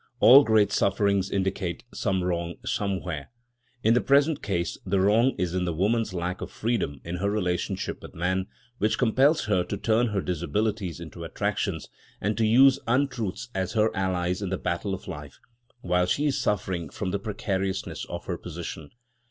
All great sufferings indicate some wrong somewhere. In the present case, the wrong is in woman's lack of freedom in her relationship with man, which compels her to turn her disabilities into attractions, and to use untruths as her allies in the battle of life, while she is suffering from the precariousness of her position.